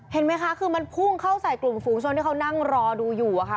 เห็นไหมคะคือมันพุ่งเข้าใส่กลุ่มฝูงชนที่เขานั่งรอดูอยู่อะค่ะ